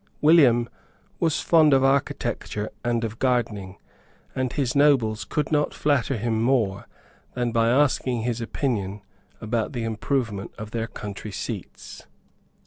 William was fond of architecture and of gardening; and his nobles could not flatter him more than by asking his opinion about the improvement of their country seats.